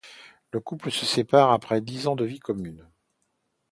Le couple se sépare après dix ans de vie commune.